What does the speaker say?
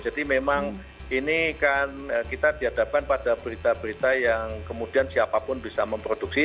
jadi memang ini kan kita dihadapkan pada berita berita yang kemudian siapapun bisa memproduksi